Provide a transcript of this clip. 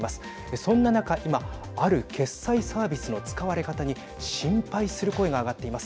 そんな中、今ある決済サービスの使われ方に心配する声が上がっています。